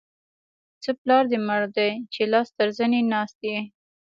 څه پلار دې مړ دی؛ چې لاس تر زنې ناست يې.